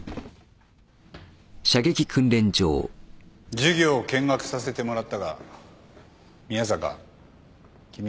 授業を見学させてもらったが宮坂君は集中できてない。